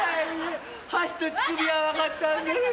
箸と乳首は分かったんだけど。